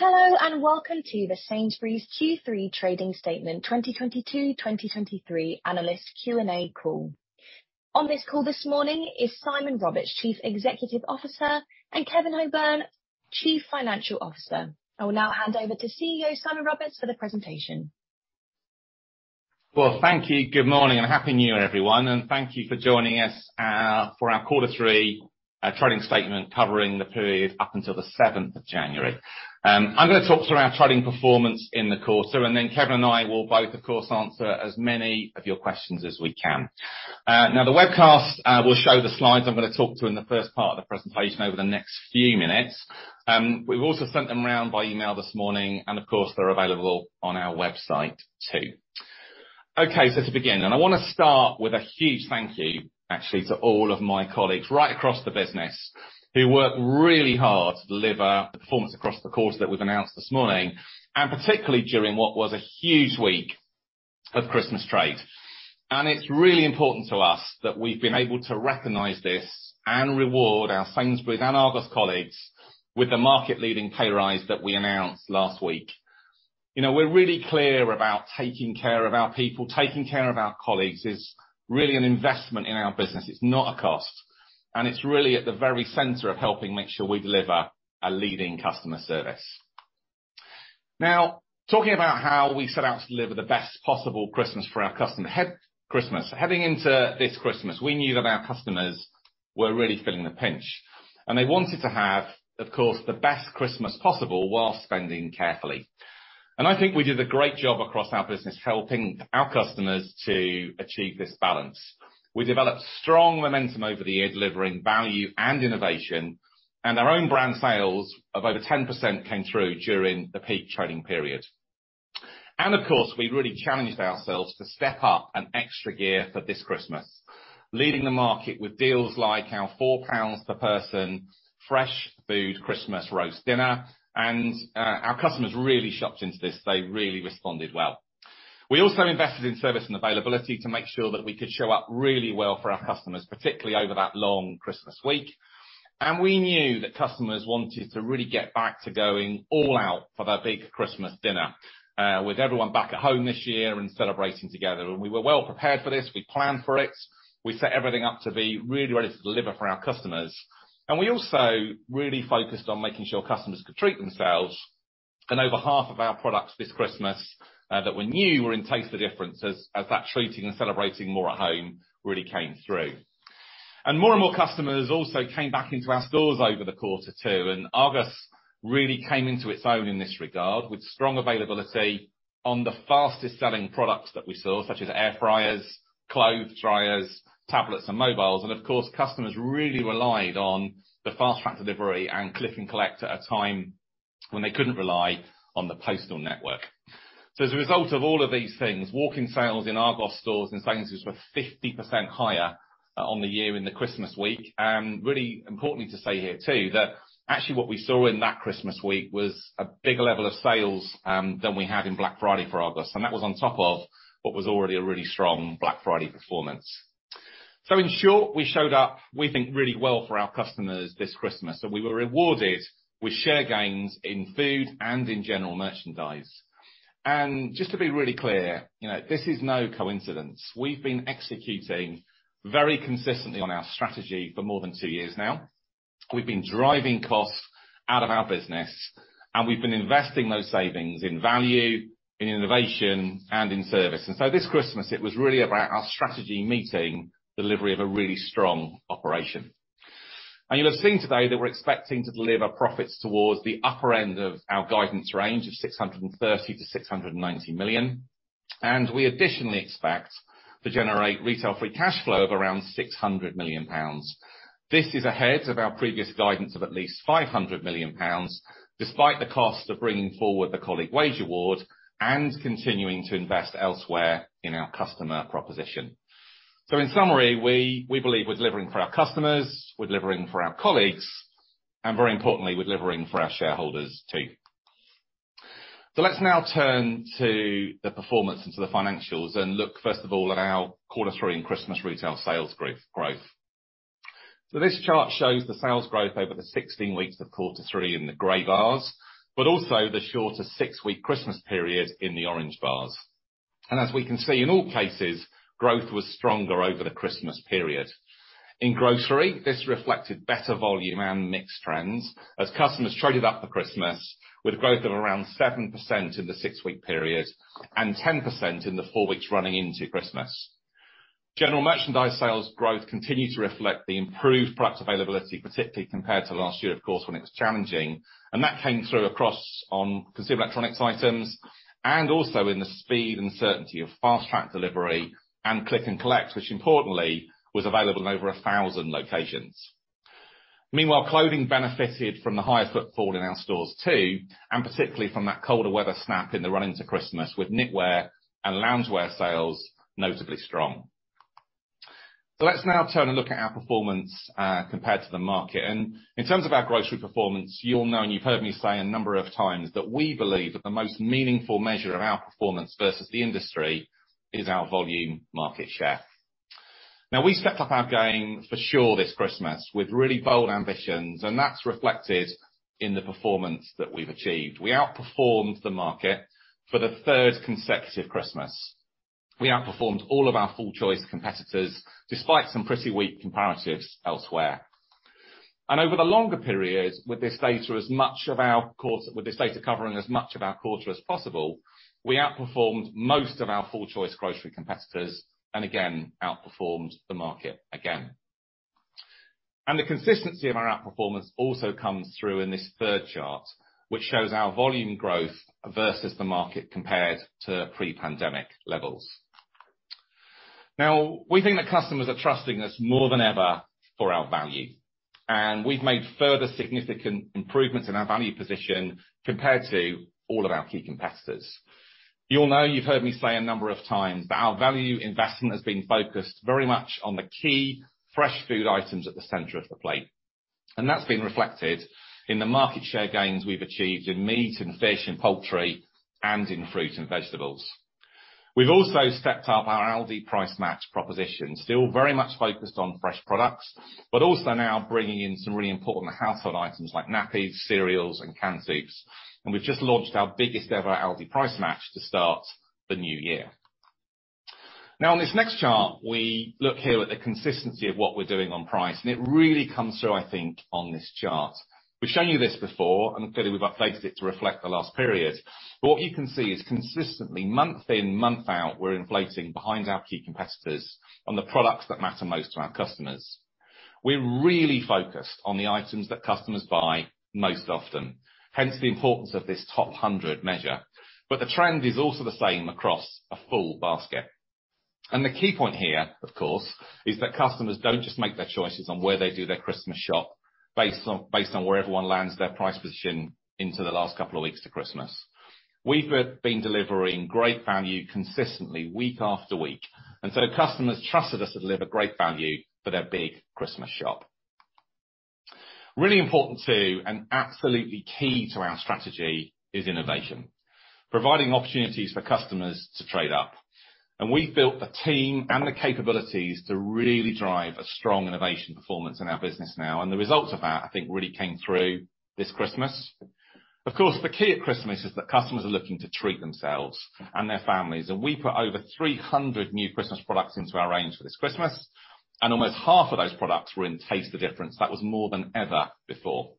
Hello, and welcome to the Sainsbury's Q3 trading statement 2022/2023 analyst Q&A call. On this call this morning is Simon Roberts, Chief Executive Officer, and Kevin O'Byrne, Chief Financial Officer. I will now hand over to CEO Simon Roberts for the presentation. Well, thank you. Good morning, Happy New Year, everyone, and thank you for joining us for our Q3 trading statement covering the period up until the 7th of January. I'm going to talk through our trading performance in the quarter. Kevin and I will both, of course, answer as many of your questions as we can. The webcast will show the slides I'm going to talk to in the first part of the presentation over the next few minutes. We've also sent them round by email this morning. Of course, they're available on our website too. Okay, to begin, I want to start with a huge thank you actually to all of my colleagues right across the business who work really hard to deliver the performance across the course that we've announced this morning, particularly during what was a huge week of Christmas trade. It's really important to us that we've been able to recognize this and reward our Sainsbury's and Argos colleagues with the market-leading pay rise that we announced last week. You know, we're really clear about taking care of our people. Taking care of our colleagues is really an investment in our business. It's not a cost, it's really at the very center of helping make sure we deliver a leading customer service. Now, talking about how we set out to deliver the best possible Christmas for our customer. Christmas. Heading into this Christmas, we knew that our customers were really feeling the pinch, and they wanted to have, of course, the best Christmas possible while spending carefully. I think we did a great job across our business helping our customers to achieve this balance. We developed strong momentum over the year, delivering value and innovation, our own brand sales of over 10% came through during the peak trading period. Of course, we really challenged ourselves to step up an extra gear for this Christmas, leading the market with deals like our 4 pounds per person fresh food Christmas roast dinner, our customers really shopped into this. They really responded well. We also invested in service and availability to make sure that we could show up really well for our customers, particularly over that long Christmas week, and we knew that customers wanted to really get back to going all out for their big Christmas dinner with everyone back at home this year and celebrating together. We were well prepared for this. We planned for it. We set everything up to be really ready to deliver for our customers. We also really focused on making sure customers could treat themselves. Over half of our products this Christmas that we knew were in Taste the Difference as that treating and celebrating more at home really came through. More and more customers also came back into our stores over the Q2, Argos really came into its own in this regard with strong availability on the fastest-selling products that we saw, such as air fryers, clothes dryers, tablets, and mobiles. Of course, customers really relied on the Fast Track delivery and Click & Collect at a time when they couldn't rely on the postal network. As a result of all of these things, walk-in sales in Argos stores and Sainsbury's were 50% higher on the year in the Christmas Week. Really importantly to say here too that actually what we saw in that Christmas Week was a bigger level of sales than we had in Black Friday for Argos, and that was on top of what was already a really strong Black Friday performance. In short, we showed up, we think, really well for our customers this Christmas, and we were rewarded with share gains in food and in general merchandise. Just to be really clear, you know, this is no coincidence. We've been executing very consistently on our strategy for more than two years now. We've been driving costs out of our business, and we've been investing those savings in value, in innovation, and in service. This Christmas, it was really about our strategy meeting delivery of a really strong operation. You'll have seen today that we're expecting to deliver profits towards the upper end of our guidance range of 630 million to 690 million, and we additionally expect to generate retail free cash flow of around 600 million pounds. This is ahead of our previous guidance of at least 500 million pounds, despite the cost of bringing forward the colleague wage award and continuing to invest elsewhere in our customer proposition. In summary, we believe we're delivering for our customers, we're delivering for our colleagues, and very importantly, we're delivering for our shareholders too. Let's now turn to the performance and to the financials and look first of all at our quarter three and Christmas retail sales growth. This chart shows the sales growth over the 16 weeks of quarter three in the gray bars, but also the shorter 6-week Christmas period in the orange bars. As we can see, in all cases, growth was stronger over the Christmas period. In grocery, this reflected better volume and mixed trends as customers traded up for Christmas with growth of around in the 6-week period and 10% in the 4 weeks running into Christmas. General merchandise sales growth continued to reflect the improved product availability, particularly compared to last year, of course, when it was challenging. That came through across on consumer electronics items and also in the speed and certainty of Fast Track delivery and Click & Collect, which importantly was available in over 1,000 locations. Meanwhile, clothing benefited from the higher footfall in our stores too, and particularly from that colder weather snap in the run into Christmas, with knitwear and loungewear sales notably strong. Let's now turn and look at our performance compared to the market. In terms of our grocery performance, you'll know, and you've heard me say a number of times, that we believe that the most meaningful measure of our performance versus the industry is our volume market share. We stepped up our game for sure this Christmas with really bold ambitions, and that's reflected in the performance that we've achieved. We outperformed the market for the third consecutive Christmas. We outperformed all of our full choice competitors, despite some pretty weak comparatives elsewhere. Over the longer periods, with this data covering as much of our quarter as possible, we outperformed most of our full choice grocery competitors, and outperformed the market again. The consistency of our outperformance also comes through in this third chart, which shows our volume growth versus the market compared to pre-pandemic levels. Now, we think that customers are trusting us more than ever for our value, we've made further significant improvements in our value position compared to all of our key competitors. You all know, you've heard me say a number of times that our value investment has been focused very much on the key fresh food items at the center of the plate. That's been reflected in the market share gains we've achieved in meat and fish and poultry and in fruit and vegetables. We've also stepped up our Aldi Price Match proposition, still very much focused on fresh products, also now bringing in some really important household items like nappies, cereals, and canned soups. We've just launched our biggest-ever Aldi Price Match to start the new year. On this next chart, we look here at the consistency of what we're doing on price, and it really comes through, I think, on this chart. We've shown you this before, clearly, we've updated it to reflect the last period. What you can see is consistently, month in, month out, we're inflating behind our key competitors on the products that matter most to our customers. We're really focused on the items that customers buy most often, hence the importance of this top 100 measure. The key point here, of course, is that customers don't just make their choices on where they do their Christmas shop based on where everyone lands their price position into the last couple of weeks to Christmas. We've been delivering great value consistently week after week. Customers trusted us to deliver great value for their big Christmas shop. Really important, too, and absolutely key to our strategy is innovation, providing opportunities for customers to trade up. We've built the team and the capabilities to really drive a strong innovation performance in our business now, and the results of that, I think, really came through this Christmas. Of course, the key at Christmas is that customers are looking to treat themselves and their families. We put over 300 new Christmas products into our range for this Christmas, and almost half of those products were in Taste the Difference. That was more than ever before.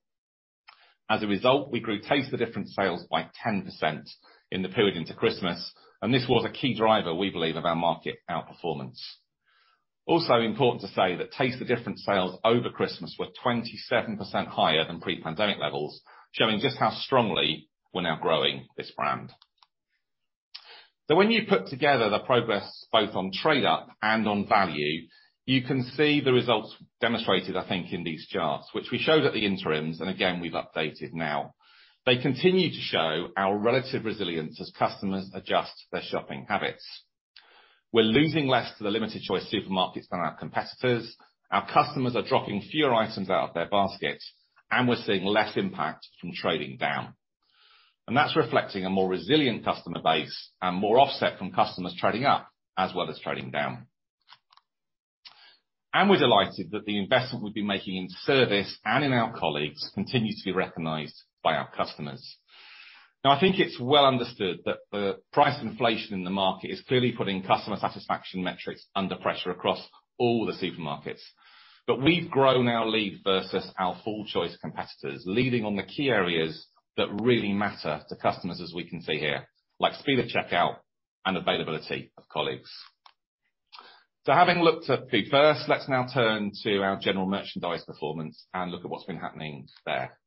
As a result, we grew Taste the Difference sales by 10% in the period into Christmas, and this was a key driver, we believe, of our market outperformance. Important to say that Taste the Difference sales over Christmas were 27% higher than pre-pandemic levels, showing just how strongly we're now growing this brand. When you put together the progress both on trade up and on value, you can see the results demonstrated, I think, in these charts, which we showed at the interims, and again, we've updated now. They continue to show our relative resilience as customers adjust their shopping habits. We're losing less to the limited choice supermarkets than our competitors. Our customers are dropping fewer items out of their baskets, and we're seeing less impact from trading down. That's reflecting a more resilient customer base and more offset from customers trading up, as well as trading down. We're delighted that the investment we've been making in service and in our colleagues continues to be recognized by our customers. I think it's well understood that the price inflation in the market is clearly putting customer satisfaction metrics under pressure across all the supermarkets. We've grown our lead versus our full choice competitors, leading on the key areas that really matter to customers as we can see here, like speed of checkout and availability of colleagues. Having looked at Food First, let's now turn to our general merchandise performance and look at what's been happening there.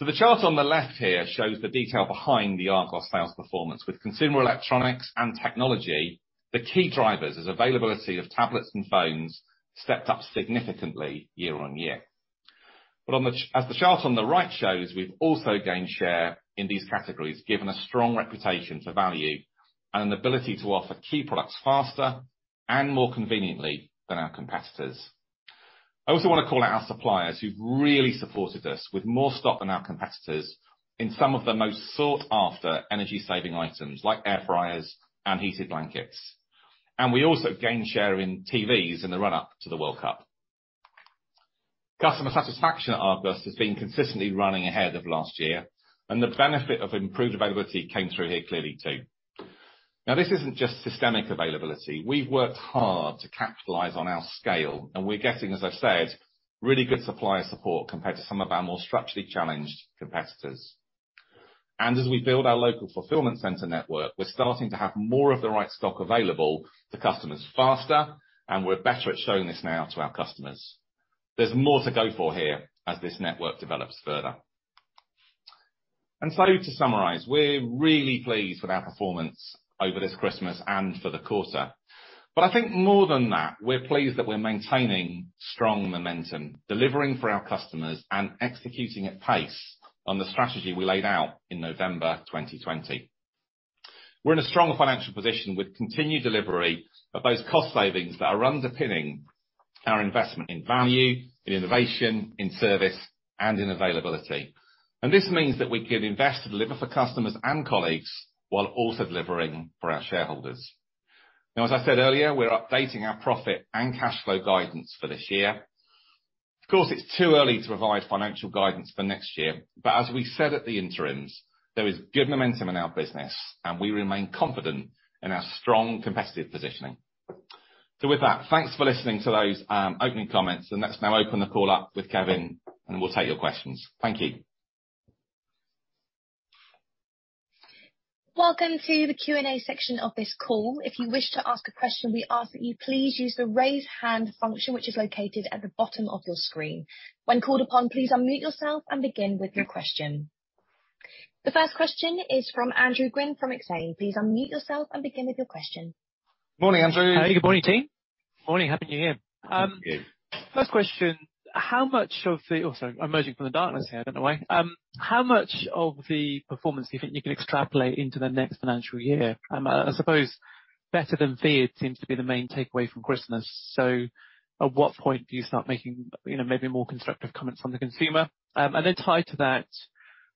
The chart on the left here shows the detail behind the Argos sales performance with consumer electronics and technology, the key drivers as availability of tablets and phones stepped up significantly year-over-year. As the chart on the right shows, we've also gained share in these categories, given a strong reputation for value and an ability to offer key products faster and more conveniently than our competitors. I also wanna call out our suppliers who've really supported us with more stock than our competitors in some of the most sought-after energy-saving items like air fryers and heated blankets. We also gained share in TVs in the run-up to the World Cup. Customer satisfaction at Argos has been consistently running ahead of last year, the benefit of improved availability came through here clearly, too. This isn't just systemic availability. We've worked hard to capitalize on our scale, we're getting, as I said, really good supplier support compared to some of our more structurally challenged competitors. As we build our local fulfillment center network, we're starting to have more of the right stock available to customers faster, and we're better at showing this now to our customers. There's more to go for here as this network develops further. To summarize, we're really pleased with our performance over this Christmas and for the quarter. I think more than that, we're pleased that we're maintaining strong momentum, delivering for our customers and executing at pace on the strategy we laid out in November 2020. We're in a stronger financial position with continued delivery of those cost savings that are underpinning our investment in value, in innovation, in service, and in availability. This means that we can invest and deliver for customers and colleagues while also delivering for our shareholders. As I said earlier, we're updating our profit and cash flow guidance for this year. It's too early to provide financial guidance for next year, but as we said at the interims, there is good momentum in our business, and we remain confident in our strong competitive positioning. With that, thanks for listening to those opening comments, and let's now open the call up with Kevin, and we'll take your questions. Thank you. Welcome to the Q&A section of this call. If you wish to ask a question, we ask that you please use the Raise Hand function, which is located at the bottom of your screen. When called upon, please unmute yourself and begin with your question. The first question is from Andrew Gwynn from BNP Paribas Exane. Please unmute yourself and begin with your question. Morning, Andrew. Hey, good morning, team. Morning. Happy New Year. Thank you. First question. Oh, sorry. I'm emerging from the darkness here. I don't know why. How much of the performance do you think you can extrapolate into the next financial year? I suppose better than feared seems to be the main takeaway from Christmas. At what point do you start making, you know, maybe more constructive comments from the consumer? Tied to that,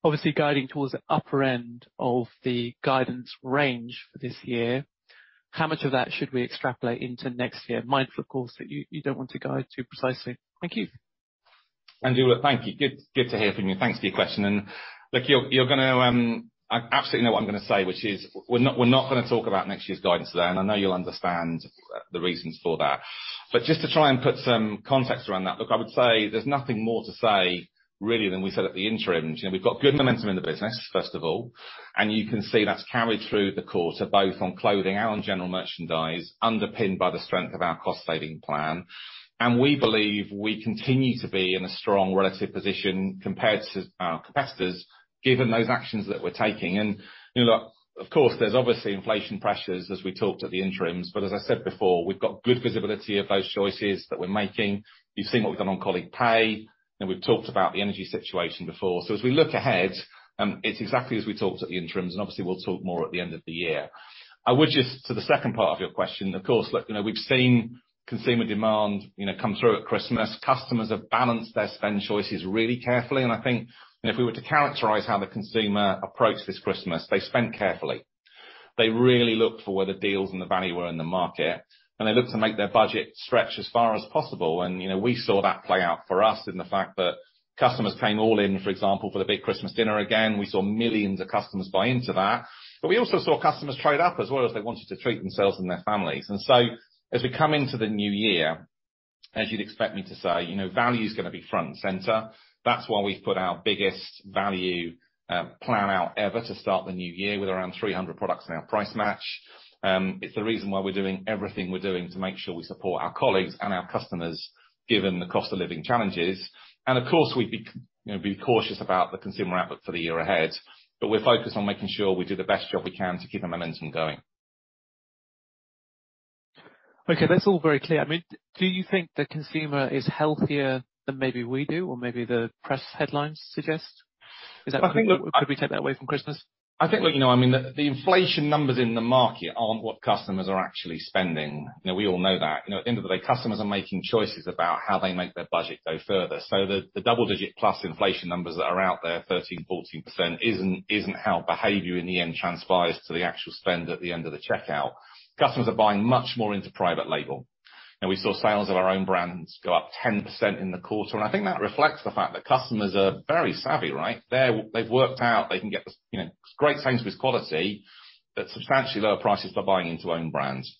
obviously guiding towards the upper end of the guidance range for this year, how much of that should we extrapolate into next year? Mindful, of course, that you don't want to guide too precisely. Thank you. Andrew, thank you. Good to hear from you, and thanks for your question. Look, you're gonna absolutely no one I'm gonna say, which is we're not gonna talk about next year's guidance today, I know you'll understand the reasons for that. Just to try and put some context around that, look, I would say there's nothing more to say really than we said at the interim. You know, we've got good momentum in the business, first of all, you can see that's carried through the quarter, both on clothing and on general merchandise, underpinned by the strength of our cost-saving plan. We believe we continue to be in a strong relative position compared to our competitors, given those actions that we're taking. You know, look, of course, there's obviously inflation pressures as we talked at the interims, but as I said before, we've got good visibility of those choices that we're making. You've seen what we've done on colleague pay, and we've talked about the energy situation before. As we look ahead, it's exactly as we talked at the interims, and obviously we'll talk more at the end of the year. To the second part of your question, of course, look, you know, we've seen consumer demand, you know, come through at Christmas. Customers have balanced their spend choices really carefully, and I think if we were to characterize how the consumer approached this Christmas, they spent carefully. They really looked for where the deals and the value were in the market, and they looked to make their budget stretch as far as possible. You know, we saw that play out for us in the fact that customers came all in, for example, for the big Christmas dinner again. We saw millions of customers buy into that. We also saw customers trade up as well, as they wanted to treat themselves and their families. As we come into the new year, as you'd expect me to say, you know, value's gonna be front and center. That's why we've put our biggest value plan out ever to start the new year with around 300 products in our Price Match. It's the reason why we're doing everything we're doing to make sure we support our colleagues and our customers, given the cost-of-living challenges. Of course, we'd be, you know, be cautious about the consumer outlook for the year ahead, but we're focused on making sure we do the best job we can to keep the momentum going. Okay. That's all very clear. I mean, do you think the consumer is healthier than maybe we do or maybe the press headlines suggest? Is that something- I think, look. Could we take that away from Christmas? I think, look, you know, I mean the inflation numbers in the market aren't what customers are actually spending. You know, we all know that. You know, at the end of the day, customers are making choices about how they make their budget go further. The double digit plus inflation numbers that are out there, 13%, 14% isn't how behavior in the end transpires to the actual spend at the end of the checkout. Customers are buying much more into private label. We saw sales of our own brands go up 10% in the quarter, and I think that reflects the fact that customers are very savvy, right? They've worked out they can get, you know, great things with quality at substantially lower prices by buying into own brands.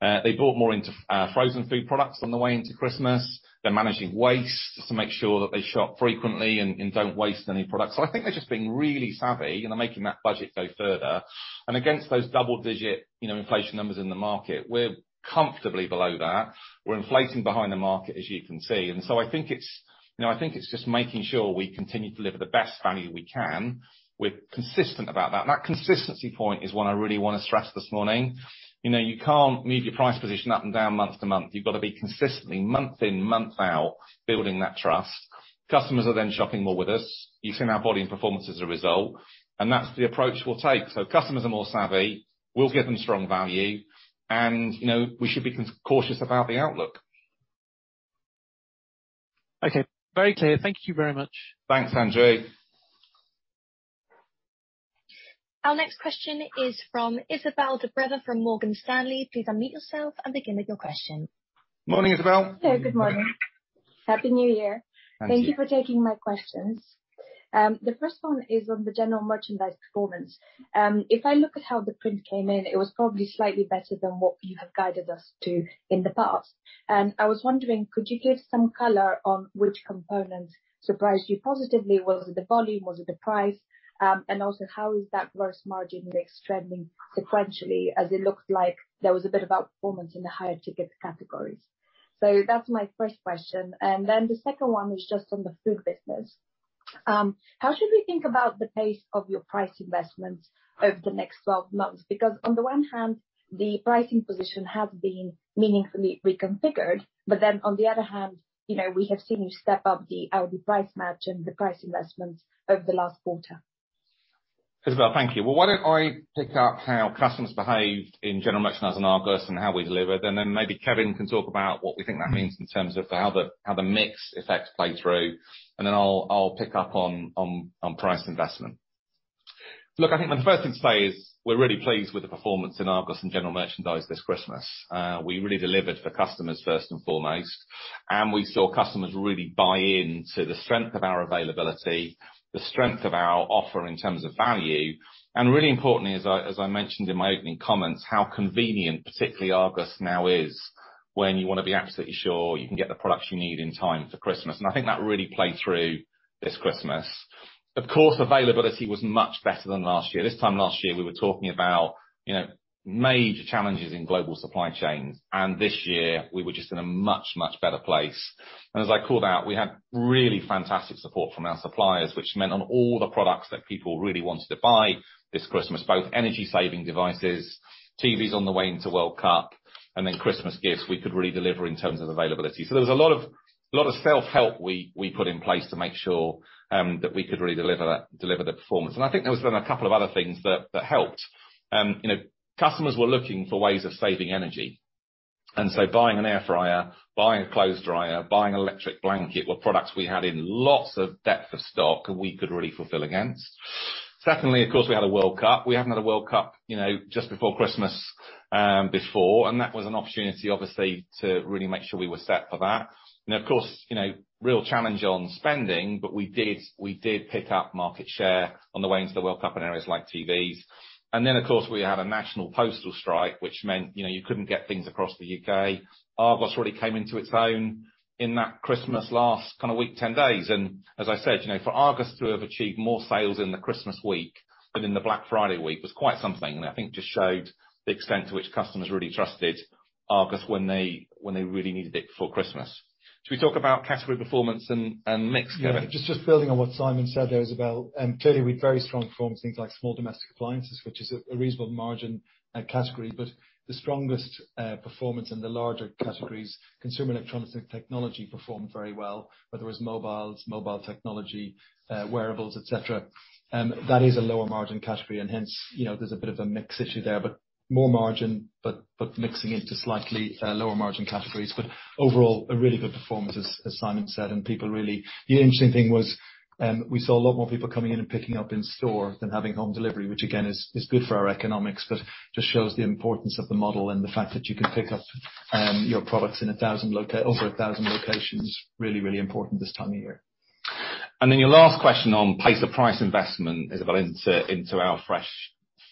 They bought more into frozen food products on the way into Christmas. They're managing waste to make sure that they shop frequently and don't waste any products. Against those double-digit, you know, inflation numbers in the market, we're comfortably below that. We're inflating behind the market, as you can see. I think it's just making sure we continue to deliver the best value we can. We're consistent about that. That consistency point is one I really wanna stress this morning. You know, you can't move your price position up and down month to month. You've gotta be consistently, month in, month out, building that trust. Customers are shopping more with us. You've seen our volume performance as a result, and that's the approach we'll take. Customers are more savvy. We'll give them strong value and, you know, we should be cautious about the outlook. Okay. Very clear. Thank you very much. Thanks, Andrew. Our next question is from Isabelle De Breteuil from Morgan Stanley. Please unmute yourself and begin with your question. Morning, Isabelle. Hey, good morning. Happy New Year. Thank you. Thank you for taking my questions. The first one is on the general merchandise performance. If I look at how the print came in, it was probably slightly better than what you have guided us to in the past. Could you give some color on which components surprised you positively? Was it the volume? Was it the price? Also, how is that gross margin mix trending sequentially, as it looks like there was a bit of outperformance in the higher ticket categories. That's my first question. The second one is just on the food business. How should we think about the pace of your price investments over the next 12 months? On the one hand, the pricing position has been meaningfully reconfigured, but then on the other hand, you know, we have seen you step up the hourly price match and the price investments over the last quarter. Isabelle, thank you. Well, why don't I pick up how customers behaved in general merchandise and Argos, and how we delivered, and then maybe Kevin can talk about what we think that means in terms of how the mix effects play through, and then I'll pick up on price investment. Look, I think the first thing to say is we're really pleased with the performance in Argos and general merchandise this Christmas. We really delivered for customers first and foremost, and we saw customers really buy in to the strength of our availability, the strength of our offer in terms of value, and really importantly, as I, as I mentioned in my opening comments, how convenient, particularly Argos now is when you want to be absolutely sure you can get the products you need in time for Christmas, and I think that really played through this Christmas. Of course, availability was much better than last year. This time last year, we were talking about, you know, major challenges in global supply chains, and this year we were just in a much, much better place. As I called out, we had really fantastic support from our suppliers, which meant on all the products that people really wanted to buy this Christmas, both energy-saving devices, TVs on the way into the World Cup, and then Christmas gifts, we could really deliver in terms of availability. There was a lot of self-help we put in place to make sure that we could really deliver the performance. I think there was then a couple of other things that helped. You know, customers were looking for ways of saving energy, buying an air fryer, buying a clothes dryer, buying electric blanket were products we had in lots of depth of stock we could really fulfill against. Secondly, of course, we had the World Cup. We haven't had the World Cup, you know, just before Christmas, before. That was an opportunity, obviously, to really make sure we were set for that. Of course, you know, real challenge on spending, but we did pick up market share on the way into the World Cup in areas like TVs. Then, of course, we had a national postal strike, which meant, you know, you couldn't get things across the U.K. Argos really came into its own in that Christmas last kind of week, 10 days. As I said, you know, for Argos to have achieved more sales in the Christmas week than in the Black Friday week was quite something, and I think just showed the extent to which customers really trusted Argos when they really needed it before Christmas. Should we talk about category performance and mix, Kevin? Yeah. Just building on what Simon Roberts said there, Isabelle De Breteuil, clearly we had very strong performance things like small domestic appliances, which is a reasonable margin category. The strongest performance in the larger categories, consumer electronics and technology performed very well, whether it was mobiles, mobile technology, wearables, et cetera. That is a lower margin category and hence, you know, there's a bit of a mix issue there, but more margin, but mixing into slightly lower margin categories. Overall, a really good performance as Simon Roberts said, and people really... The interesting thing was, we saw a lot more people coming in and picking up in store than having home delivery, which again, is good for our economics, but just shows the importance of the model and the fact that you can pick up your products in over 1,000 locations, really important this time of year. Your last question on pace of price investment, Isabelle, into our fresh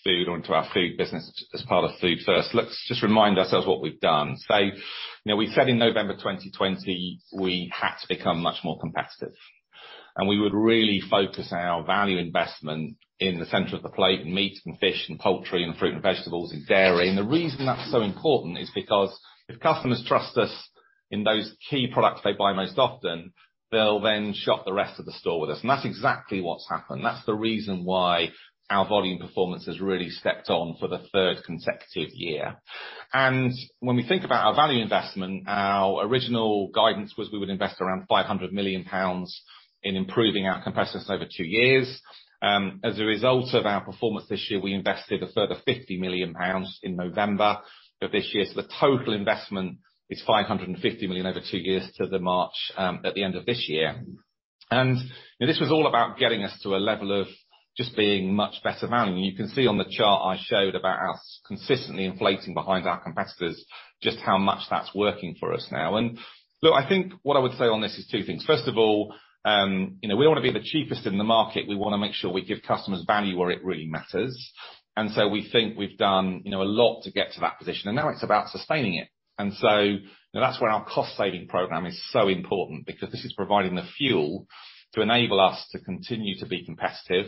food or into our food business as part of Food First. Let's just remind ourselves what we've done. You know, we said in November 2020 we had to become much more competitive, and we would really focus our value investment in the center of the plate, in meats and fish and poultry and fruit and vegetables and dairy. The reason that's so important is because if customers trust us in those key products they buy most often, they'll then shop the rest of the store with us, and that's exactly what's happened. That's the reason why our volume performance has really stepped on for the third consecutive year. When we think about our value investment, our original guidance was we would invest around 500 million pounds in improving our competitiveness over two years. As a result of our performance this year, we invested a further 50 million pounds in November of this year, so the total investment is 550 million over two years to the March at the end of this year. This was all about getting us to a level of just being much better value. You can see on the chart I showed about us consistently inflating behind our competitors, just how much that's working for us now. Look, I think what I would say on this is two things. First of all, you know, we wanna be the cheapest in the market. We wanna make sure we give customers value where it really matters. We think we've done, you know, a lot to get to that position, and now it's about sustaining it. You know, that's where our cost-saving program is so important because this is providing the fuel to enable us to continue to be competitive.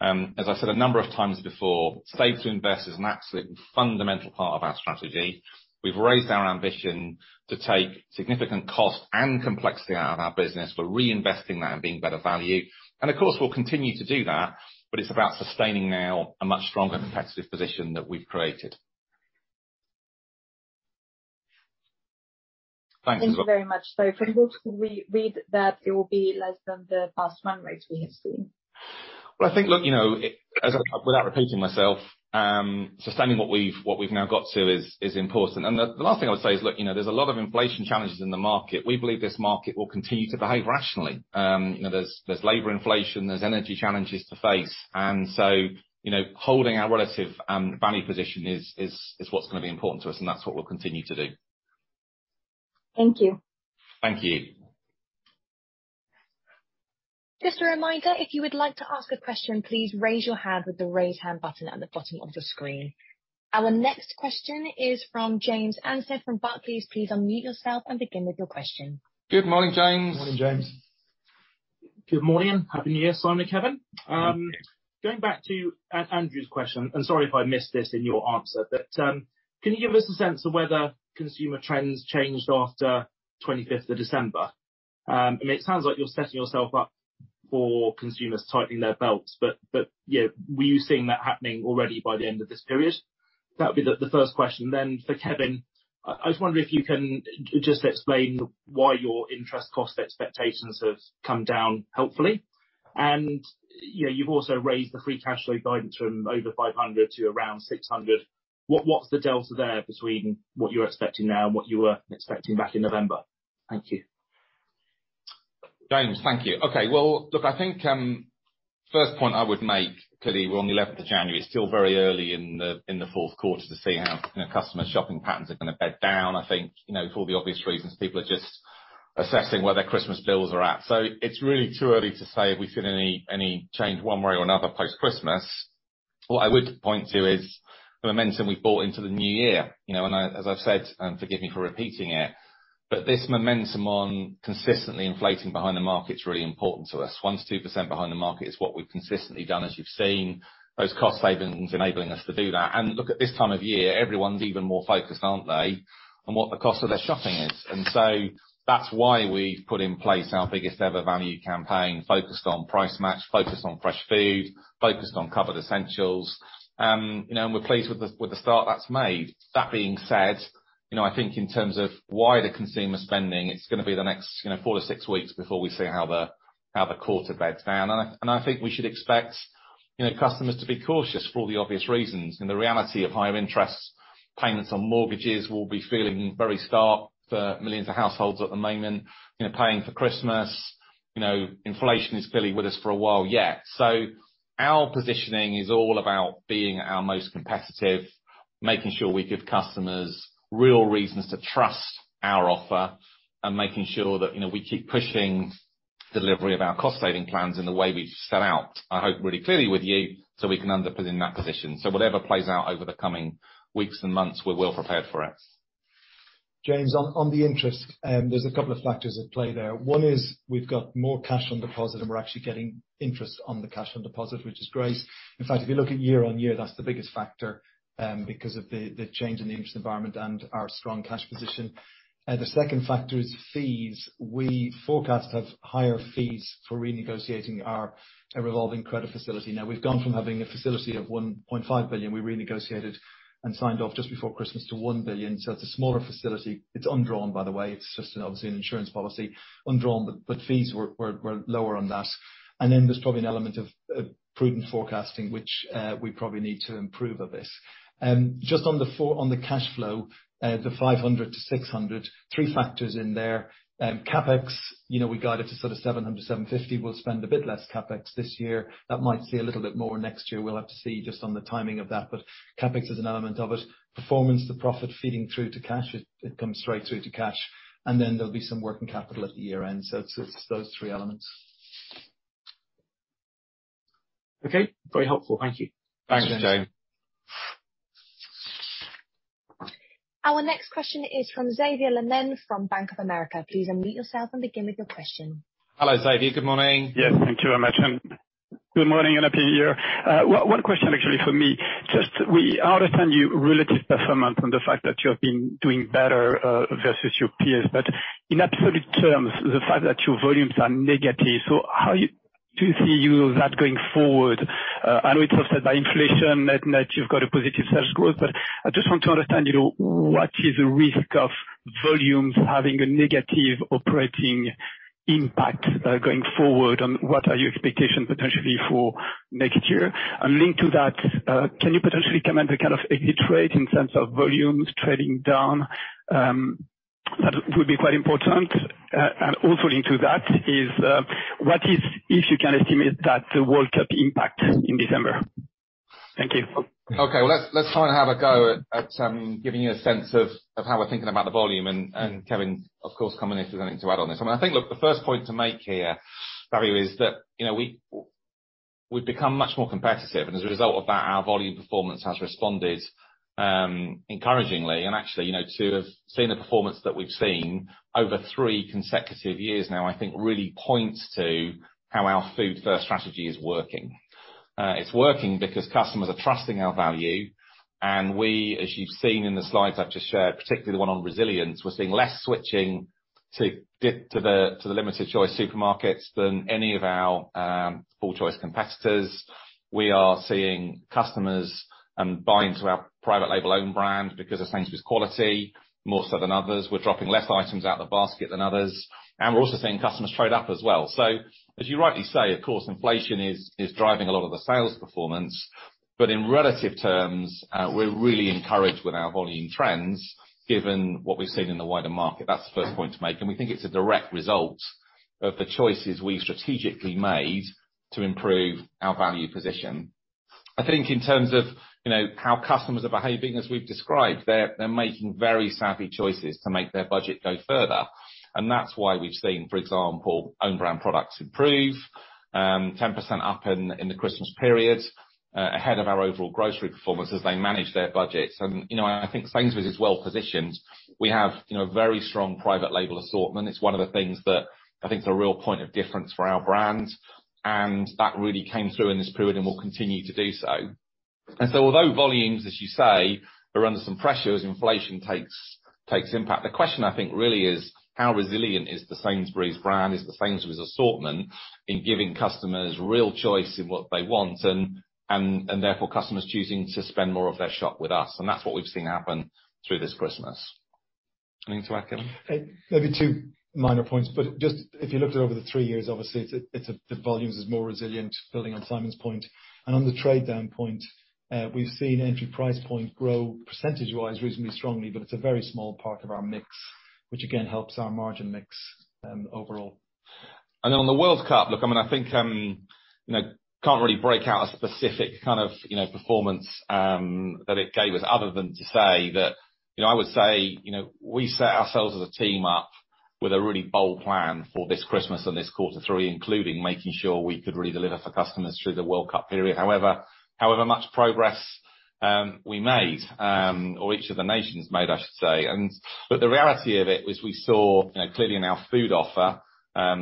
As I said a number of times before, Save to Invest is an absolutely fundamental part of our strategy. We've raised our ambition to take significant cost and complexity out of our business. We're reinvesting that and being better value. Of course, we'll continue to do that, but it's about sustaining now a much stronger competitive position that we've created. Thanks, Isabelle. Thank you very much. From this, can we read that it will be less than the past run rates we have seen? Well, I think, look, you know, As I without repeating myself, sustaining what we've now got to is important. The last thing I would say is, look, you know, there's a lot of inflation challenges in the market. We believe this market will continue to behave rationally. you know, there's labor inflation, there's energy challenges to face, you know, holding our relative value position is what's gonna be important to us, and that's what we'll continue to do. Thank you. Thank you. Just a reminder, if you would like to ask a question, please raise your hand with the Raise Hand button at the bottom of your screen. Our next question is from James Anstead from Barclays. Please unmute yourself and begin with your question. Good morning, James. Morning, James. Good morning. Happy New Year, Simon and Kevin. Going back to Andrew's question, and sorry if I missed this in your answer, but can you give us a sense of whether consumer trends changed after December 25th? I mean, it sounds like you're setting yourself up for consumers tightening their belts, but, you know, were you seeing that happening already by the end of this period? That'd be the first question then for Kevin. I was wondering if you can just explain why your interest cost expectations have come down helpfully. You know, you've also raised the free cash flow guidance from over 500 to around 600. What's the delta there between what you're expecting now and what you were expecting back in November? Thank you. James, thank you. Okay. Well, look, I think, first point I would make, clearly we're on the 11th of January. It's still very early in the Q4 to see how, you know, customer shopping patterns are gonna bed down. I think, you know, for all the obvious reasons, people are just assessing where their Christmas bills are at. It's really too early to say if we've seen any change one way or another post-Christmas. What I would point to is the momentum we've brought into the new year, you know. As I've said, and forgive me for repeating it, but this momentum on consistently inflating behind the market is really important to us. 1% to 2% behind the market is what we've consistently done, as you've seen. Those cost savings enabling us to do that. Look, at this time of year, everyone's even more focused, aren't they, on what the cost of their shopping is? That's why we've put in place our biggest-ever value campaign focused on Price Match, focused on fresh food, focused on cupboard essentials. you know, and we're pleased with the start that's made. That being said, you know, I think in terms of wider consumer spending, it's gonna be the next, you know, 4 to 6 weeks before we see how the quarter beds down. I think we should expect, you know, customers to be cautious for all the obvious reasons. The reality of higher interest payments on mortgages will be feeling very stark for millions of households at the moment. You know, paying for Christmas, you know, inflation is clearly with us for a while yet. Our positioning is all about being our most competitive, making sure we give customers real reasons to trust our offer and making sure that, you know, we keep pushing delivery of our cost saving plans in the way we've set out, I hope, really clearly with you, so we can underpin that position. Whatever plays out over the coming weeks and months, we're well prepared for it. James, on the interest, there's a couple of factors at play there. One is we've got more cash on deposit, and we're actually getting interest on the cash on deposit, which is great. In fact, if you look at year on year, that's the biggest factor, because of the change in the interest environment and our strong cash position. The second factor is fees. We forecast to have higher fees for renegotiating our revolving credit facility. We've gone from having a facility of 1.5 billion, we renegotiated and signed off just before Christmas to 1 billion. It's a smaller facility. It's undrawn, by the way. It's just obviously an insurance policy. Undrawn, but fees were lower on that. Then there's probably an element of prudent forecasting, which we probably need to improve a bit. Just on the cash flow, the 500 million-600 million, three factors in there. CapEx, you know, we guide it to sort of 700 million-750 million. We'll spend a bit less CapEx this year. That might see a little bit more next year. We'll have to see just on the timing of that, but CapEx is an element of it. Performance to profit feeding through to cash. It comes straight through to cash. There'll be some working capital at the year-end. It's those three elements. Okay. Very helpful. Thank you. Thanks, James. Our next question is from Xavier Ploquin from Bank of America. Please unmute yourself and begin with your question. Hello, Xavier. Good morning. Yes. Thank you very much, good morning and Happy New Year. One question actually for me, just we understand you relative performance on the fact that you have been doing better versus your peers, but in absolute terms, the fact that your volumes are negative. How do you see that going forward? I know it's offset by inflation net, you've got a positive sales growth. I just want to understand, you know, what is the risk of volumes having a negative operating impact going forward and what are your expectations potentially for next year? Linked to that, can you potentially comment the kind of exit rate in terms of volumes trading down? That would be quite important. Also linked to that is what is, if you can estimate that the World Cup impact in December. Thank you. Okay. Well, let's try and have a go at giving you a sense of how we're thinking about the volume and Kevin, of course, come in if there's anything to add on this. I mean, I think, look, the first point to make here, Xavier, is that, you know, we've become much more competitive, and as a result of that, our volume performance has responded encouragingly. Actually, you know, to have seen the performance that we've seen over three consecutive years now, I think really points to how our Food First strategy is working. It's working because customers are trusting our value and we, as you've seen in the slides I've just shared, particularly the one on resilience, we're seeing less switching to the limited choice supermarkets than any of our full choice competitors. We are seeing customers, buying to our private label own brand because of Sainsbury's quality, more so than others. We're dropping less items out the basket than others. We're also seeing customers trade up as well. As you rightly say, of course, inflation is driving a lot of the sales performance. But in relative terms, we're really encouraged with our volume trends, given what we've seen in the wider market. That's the first point to make, and we think it's a direct result of the choices we've strategically made to improve our value position. I think in terms of, you know, how customers are behaving, as we've described, they're making very savvy choices to make their budget go further. That's why we've seen, for example, own brand products improve, 10% up in the Christmas period, ahead of our overall grocery performance as they manage their budgets. You know, I think Sainsbury's is well-positioned. We have, you know, a very strong private label assortment. It's one of the things that I think is a real point of difference for our brand, and that really came through in this period and will continue to do so. Although volumes, as you say, are under some pressure as inflation takes impact. The question I think really is how resilient is the Sainsbury's brand, is the Sainsbury's assortment in giving customers real choice in what they want, and therefore customers choosing to spend more of their shop with us. That's what we've seen happen through this Christmas. Anything to add, Kevin? Maybe 2 minor points. Just if you looked at over the 3 years, obviously it's the volumes is more resilient, building on Simon's point. On the entry price point, we've seen entry price point grow percentage-wise reasonably strongly, but it's a very small part of our mix, which again, helps our margin mix overall. On the World Cup, look, I mean, I think, you know, can't really break out a specific kind of, you know, performance that it gave us other than to say that, you know, I would say, you know, we set ourselves as a team up with a really bold plan for this Christmas and this quarter three, including making sure we could really deliver for customers through the World Cup period. However, however much progress we made or each of the nations made, I should say. But the reality of it was we saw, you know, clearly in our food offer,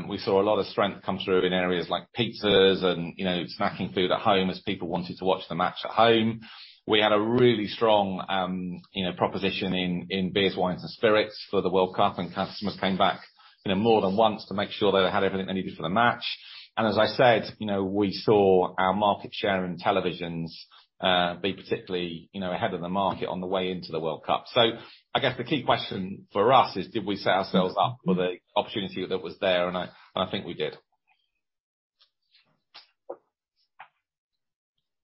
we saw a lot of strength come through in areas like pizzas and, you know, snacking food at home as people wanted to watch the match at home. We had a really strong, you know, proposition in beers, wines and spirits for the World Cup, and customers came back, you know, more than once to make sure they had everything they needed for the match. As I said, you know, we saw our market share and televisions be particularly, you know, ahead of the market on the way into the World Cup. I guess the key question for us is, did we set ourselves up for the opportunity that was there? I think we did.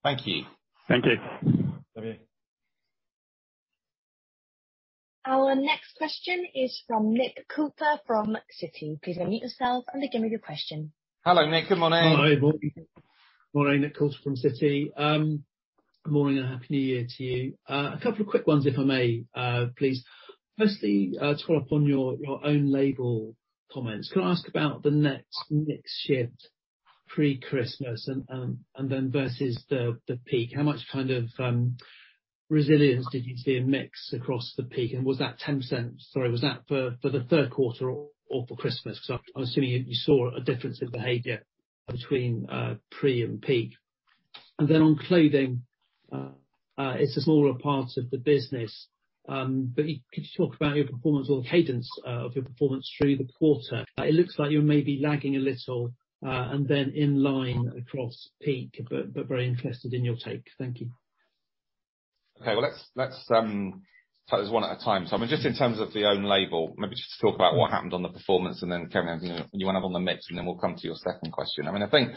Thank you. Thank you. Thank you. Our next question is from Nick Coulter from Citi. Please unmute yourself and then give me your question. Hello, Nick. Good morning. Hi. Morning. Morning, Nick Coulter from Citi. Good morning and Happy New Year to you. A couple of quick ones, if I may, please. Firstly, to follow up on your own label comments. Can I ask about the next mix shift pre-Christmas and then versus the peak? How much resilience did you see in mix across the peak? Was that ten cents... Sorry, was that for the Q3 or for Christmas? 'Cause I'm assuming you saw a difference in behavior between pre and peak. On clothing, it's a smaller part of the business, but could you talk about your performance or the cadence of your performance through the quarter? It looks like you were maybe lagging a little, and then in line across peak, but very interested in your take. Thank you. Okay. Well, let's take this one at a time. I mean, just in terms of the own label, maybe just talk about what happened on the performance and then, Kevin, you wanna have on the mix, and then we'll come to your second question. I mean, I think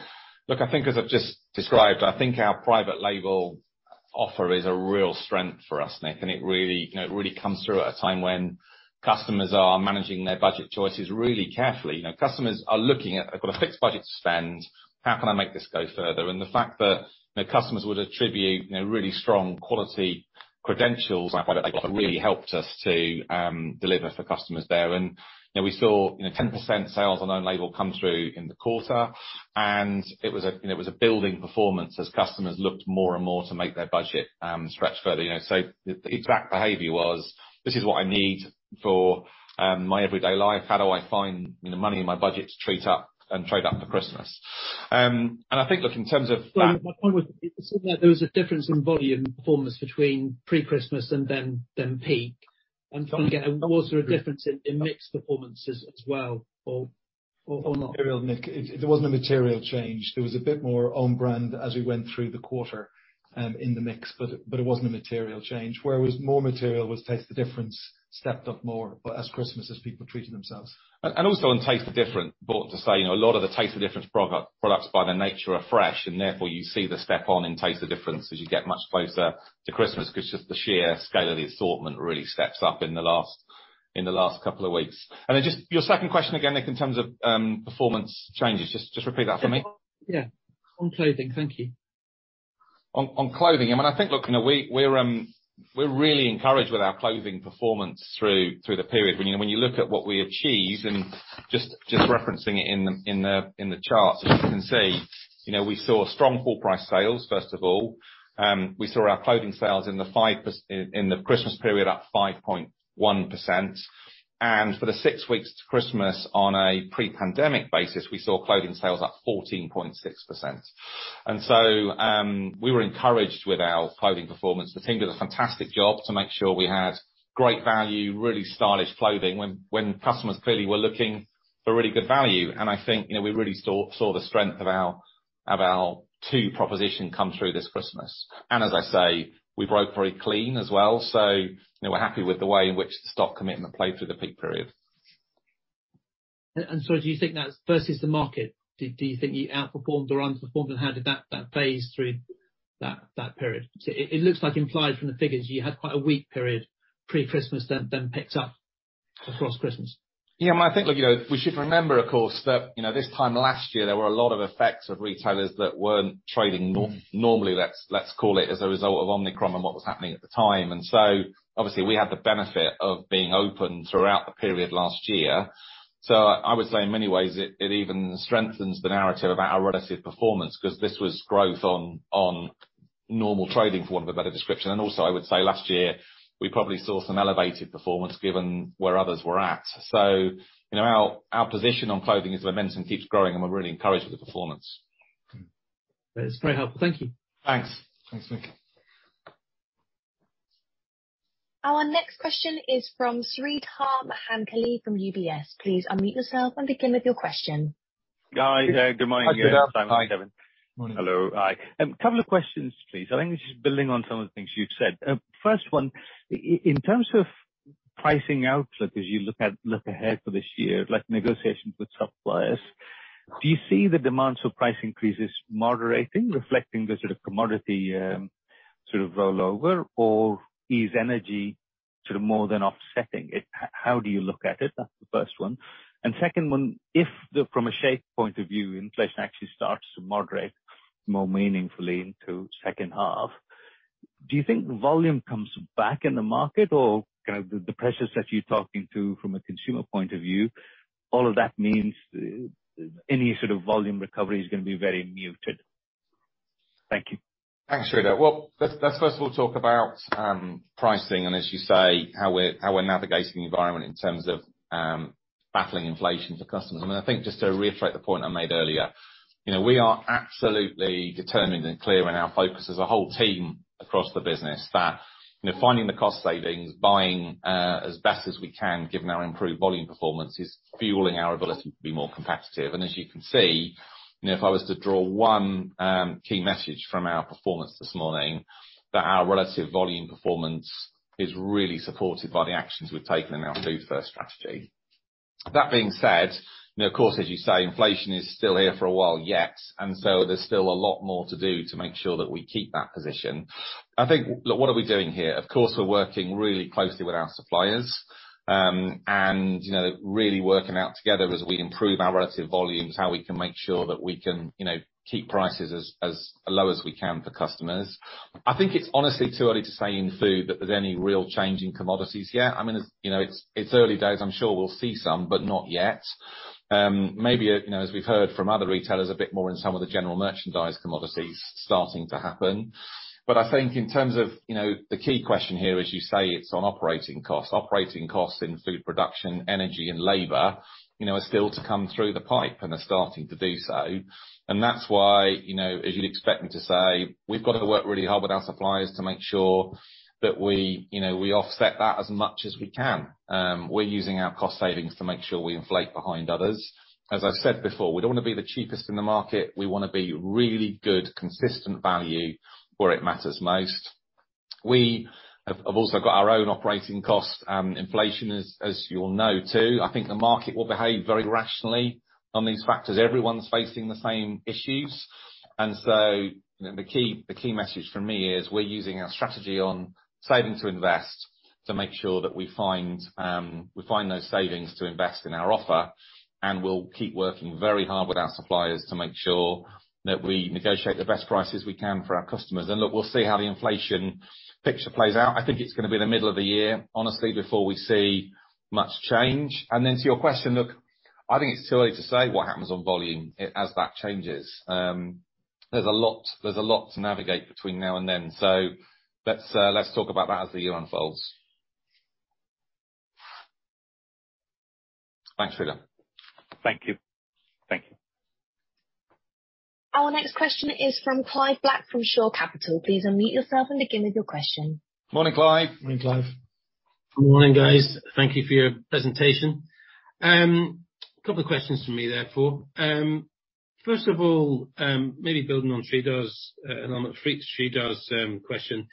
as I've just described, I think our private label offer is a real strength for us, Nick, and it really, you know, it really comes through at a time when customers are managing their budget choices really carefully. You know, customers are looking at, I've got a fixed budget to spend, how can I make this go further? The fact that the customers would attribute, you know, really strong quality credentials really helped us to deliver for customers there. You know, we saw, you know, 10% sales on own label come through in the quarter. It was a, you know, it was a building performance as customers looked more and more to make their budget, stretch further, you know. The exact behavior was, "This is what I need for, my everyday life. How do I find, you know, money in my budget to treat up and trade up for Christmas?" I think, look, in terms of that. Sorry. My point was, you said that there was a difference in volume performance between pre-Christmas and then peak. Again, was there a difference in mix performance as well or not? Sure, Nick. It wasn't a material change. There was a bit more own brand as we went through the quarter in the mix, but it wasn't a material change. Where it was more material was Taste the Difference stepped up more as Christmas, as people treated themselves. Also on Taste the Difference, but to say, you know, a lot of the Taste the Difference products by their nature are fresh, and therefore you see the step on in Taste the Difference as you get much closer to Christmas, 'cause just the sheer scale of the assortment really steps up in the last couple of weeks. Then just your second question again, Nick, in terms of performance changes. Just repeat that for me. Yeah. On clothing. Thank you. On clothing. I mean, I think, look, you know, we're really encouraged with our clothing performance through the period. When you look at what we achieved, just referencing it in the charts, as you can see, you know, we saw strong full price sales, first of all. We saw our clothing sales in the Christmas period up 5.1%. For the 6 weeks to Christmas on a pre-pandemic basis, we saw clothing sales up 14.6%. We were encouraged with our clothing performance. The team did a fantastic job to make sure we had great value, really stylish clothing when customers clearly were looking for really good value. I think, you know, we really saw the strength of our two proposition come through this Christmas. As I say, we broke very clean as well. You know, we're happy with the way in which the stock commitment played through the peak period. Do you think that versus the market, do you think you outperformed or underperformed, and how did that phase through that period? It looks like implied from the figures you had quite a weak period pre-Christmas then picked up across Christmas. I think, look, you know, we should remember, of course, that, you know, this time last year, there were a lot of effects of retailers that weren't trading normally, let's call it, as a result of Omicron and what was happening at the time. Obviously we had the benefit of being open throughout the period last year. I would say in many ways it even strengthens the narrative about our relative performance 'cause this was growth on normal trading, for want of a better description. Also I would say last year we probably saw some elevated performance given where others were at. You know, our position on clothing is momentum keeps growing, and we're really encouraged with the performance. That's very helpful. Thank you. Thanks. Thanks, Nick. Our next question is from Sreedhar Mahankali from UBS. Please unmute yourself and begin with your question. Hi there. Good morning, guys. Good afternoon. Hi. Simon and Kevin. Morning. Hello. Hi. A couple of questions, please. I think this is building on some of the things you've said. First one, in terms of pricing outlook as you look ahead for this year, like negotiations with suppliers, do you see the demands for price increases moderating, reflecting the sort of commodity, sort of rollover? Is energy sort of more than offsetting it? How do you look at it? That's the first one. Second one, if the, from a shape point of view, inflation actually starts to moderate more meaningfully into second half, do you think volume comes back in the market? Kind of the pressures that you're talking to from a consumer point of view, all of that means any sort of volume recovery is gonna be very muted. Thank you. Thanks, Sreedhar. Let's first of all talk about pricing, as you say, how we're navigating the environment in terms of battling inflation for customers. I mean, I think just to reiterate the point I made earlier, you know, we are absolutely determined and clear in our focus as a whole team across the business that, you know, finding the cost savings, buying as best as we can, given our improved volume performance, is fueling our ability to be more competitive. As you can see, you know, if I was to draw one key message from our performance this morning, that our relative volume performance is really supported by the actions we've taken in our Food First strategy. That being said, you know, of course, as you say, inflation is still here for a while yet, and so there's still a lot more to do to make sure that we keep that position. I think, look, what are we doing here? Of course, we're working really closely with our suppliers, and, you know, really working out together as we improve our relative volumes, how we can make sure that we can, you know, keep prices as low as we can for customers. I think it's honestly too early to say in food that there's any real change in commodities yet. I mean, it's, you know, it's early days. I'm sure we'll see some, but not yet. Maybe, you know, as we've heard from other retailers a bit more in some of the general merchandise commodities starting to happen. I think in terms of, you know, the key question here, as you say, it's on operating costs. Operating costs in food production, energy and labor, you know, are still to come through the pipe, and they're starting to do so. That's why, you know, as you'd expect me to say, we've got to work really hard with our suppliers to make sure that we, you know, we offset that as much as we can. We're using our cost savings to make sure we inflate behind others. As I've said before, we don't wanna be the cheapest in the market. We wanna be really good, consistent value where it matters most. We have also got our own operating cost inflation as you'll know, too. I think the market will behave very rationally on these factors. Everyone's facing the same issues. You know, the key message from me is we're using our strategy on Save to Invest to make sure that we find those savings to invest in our offer, and we'll keep working very hard with our suppliers to make sure that we negotiate the best prices we can for our customers. Look, we'll see how the inflation picture plays out. I think it's gonna be the middle of the year, honestly, before we see much change. Then to your question, look, I think it's too early to say what happens on volume as that changes. There's a lot to navigate between now and then. Let's talk about that as the year unfolds. Thanks, Sreedhar. Thank you. Thank you. Our next question is from Clive Black from Shore Capital. Please unmute yourself and begin with your question. Morning, Clive. Morning, Clive. Good morning, guys. Thank you for your presentation. A couple of questions from me, therefore. First of all, maybe building on Sreedhar's and on Sreedhar's question,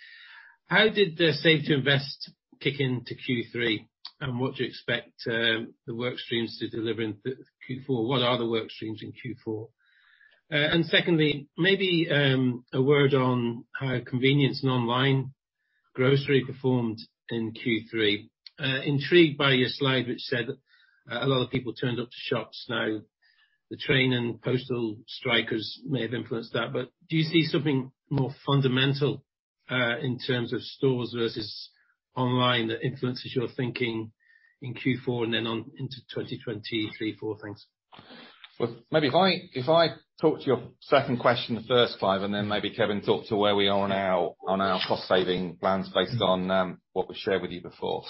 how did the Save to Invest kick into Q3? What do you expect the work streams to deliver into Q4? What are the work streams in Q4? Secondly, maybe a word on how convenience and online grocery performed in Q3. Intrigued by your slide, which said a lot of people turned up to shops. Now, the train and postal strikers may have influenced that, but do you see something more fundamental in terms of stores versus online that influences your thinking in Q4 and then on into 2023, four things? Well, maybe if I talk to your second question first, Clive Black, and then maybe Kevin O'Byrne talk to where we are on our, on our cost saving plans based on what we shared with you before.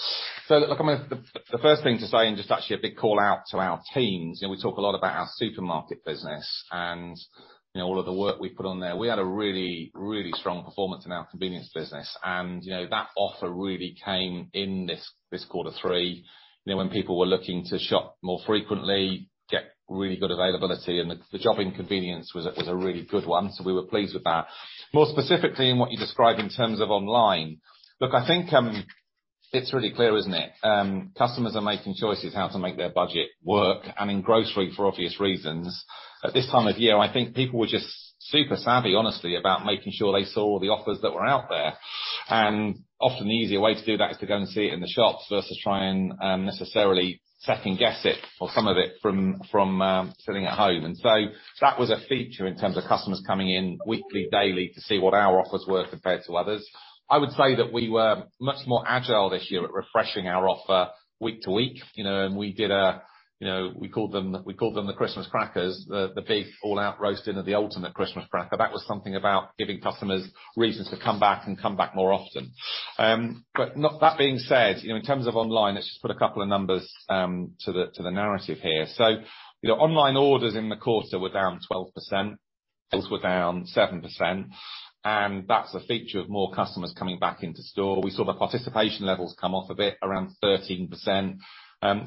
Look, I mean, the first thing to say, and just actually a big call out to our teams, you know, we talk a lot about our supermarket business and, you know, all of the work we put on there. We had a really strong performance in our convenience business and, you know, that offer really came in this quarter three. You know, when people were looking to shop more frequently, get really good availability, and the job in convenience was a really good one. We were pleased with that. More specifically in what you described in terms of online, look, I think, it's really clear, isn't it? Customers are making choices how to make their budget work, and in grocery for obvious reasons. At this time of year, I think people were just super savvy, honestly, about making sure they saw all the offers that were out there. Often the easier way to do that is to go and see it in the shops versus try and necessarily second-guess it or some of it from sitting at home. That was a feature in terms of customers coming in weekly, daily to see what our offers were compared to others. I would say that we were much more agile this year at refreshing our offer week to week, you know. We did a, you know, we called them the Christmas crackers, the beef all out roasting of the ultimate Christmas cracker. That was something about giving customers reasons to come back and come back more often. That being said, you know, in terms of online, let's just put a couple of numbers to the narrative here. You know, online orders in the quarter were down 12%. Sales were down 7.0% and that's a feature of more customers coming back into store. We saw the participation levels come off a bit, around 13%.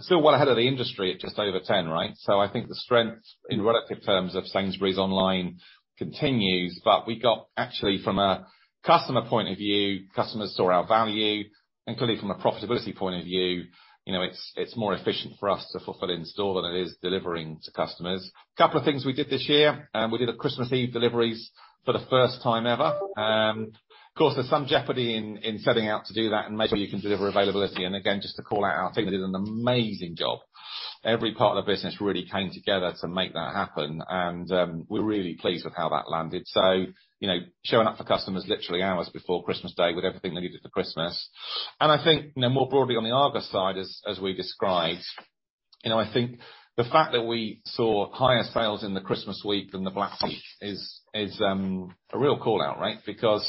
Still well ahead of the industry at just over 10, right? I think the strength in relative terms of Sainsbury's online continues, but we got actually from a customer point of view, customers saw our value, and clearly from a profitability point of view, you know, it's more efficient for us to fulfill in-store than it is delivering to customers. A couple of things we did this year, and we did Christmas Eve deliveries for the first time ever. Of course, there's some jeopardy in setting out to do that and making sure you can deliver availability. Again, just to call out, our team did an amazing job. Every part of the business really came together to make that happen. We're really pleased with how that landed. You know, showing up for customers literally hours before Christmas Day with everything they needed for Christmas. I think, you know, more broadly on the Argos side as we described, you know, I think the fact that we saw higher sales in the Christmas week than the Black Week is a real call-out, right? Because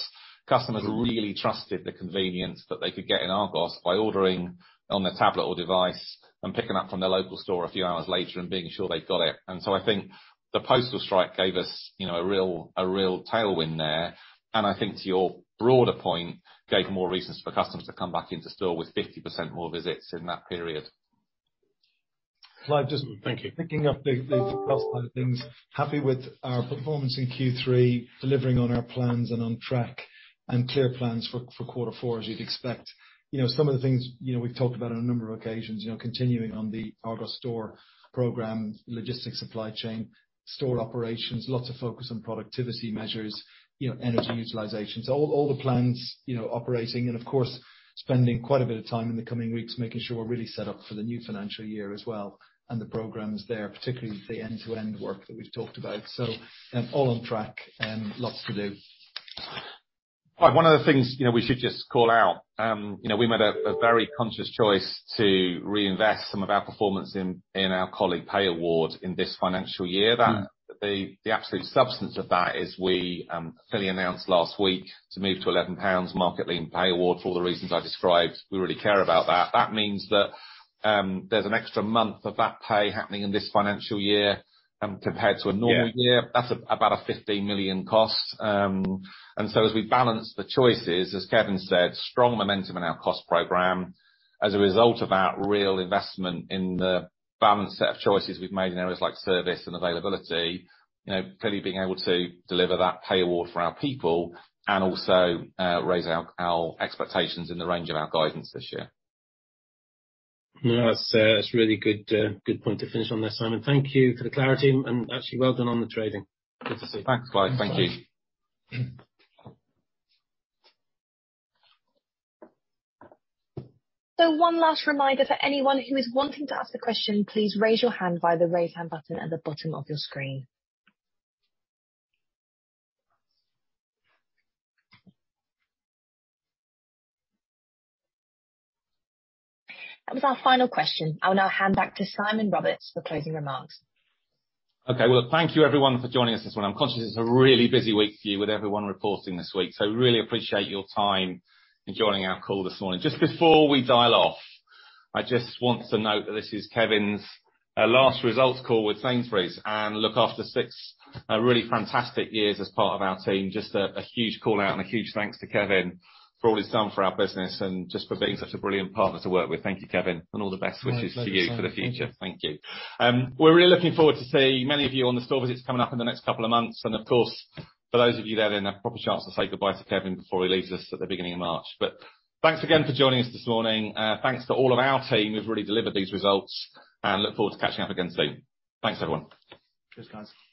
customers really trusted the convenience that they could get in Argos by ordering on their tablet or device and picking up from their local store a few hours later and being sure they've got it. I think the postal strike gave us, you know, a real tailwind there. I think to your broader point, gave more reasons for customers to come back into store with 50% more visits in that period. Clive. Thank you. Picking up the last couple of things. Happy with our performance in Q3, delivering on our plans and on track, clear plans for quarter four as you'd expect. You know, some of the things, you know, we've talked about on a number of occasions, you know, continuing on the Argos store program, logistics supply chain, store operations, lots of focus on productivity measures, you know, energy utilization. All the plans, you know, operating and of course, spending quite a bit of time in the coming weeks making sure we're really set up for the new financial year as well and the programs there, particularly the end-to-end work that we've talked about. All on track and lots to do. One of the things, you know, we should just call out, you know, we made a very conscious choice to reinvest some of our performance in our colleague pay award in this financial year. The absolute substance of that is we fully announced last week to move to 11 pounds market-leading pay award for all the reasons I described. We really care about that. That means that there's an extra month of that pay happening in this financial year compared to a normal year. Yeah. That's about a 15 million cost. As we balance the choices, as Kevin said, strong momentum in our cost program as a result of our real investment in the balanced set of choices we've made in areas like service and availability, you know, clearly being able to deliver that pay award for our people and also, raise our expectations in the range of our guidance this year. That's a really good point to finish on there, Simon. Thank you for the clarity and actually, well done on the trading. Good to see you. Thanks, Clive. Thank you. Thanks, Simon. one last reminder for anyone who is wanting to ask a question, please raise your hand via the Raise Hand button at the bottom of your screen. That was our final question. I'll now hand back to Simon Roberts for closing remarks. Okay. Well, thank you everyone for joining us this morning. I'm conscious it's a really busy week for you with everyone reporting this week. Really appreciate your time in joining our call this morning. Just before we dial off, I just want to note that this is Kevin's last results call with Sainsbury's and look after 6 really fantastic years as part of our team, just a huge call-out and a huge thanks to Kevin for all he's done for our business and just for being such a brilliant partner to work with. Thank you, Kevin, all the best wishes to you for the future. Thanks, Simon. Thank you. Thank you. We're really looking forward to seeing many of you on the store visits coming up in the next couple of months. Of course, for those of you there, then a proper chance to say goodbye to Kevin before he leaves us at the beginning of March. Thanks again for joining us this morning. Thanks to all of our team who've really delivered these results, and look forward to catching up again soon. Thanks, everyone. Thanks, guys. Okay.